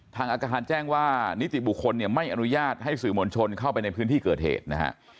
ทางอาคารแจ้งว่านิติบุคคลเนี่ยไม่อนุญาตให้สื่อมวลชนเข้าไปในพื้นที่เกิดเหตุนะฮะ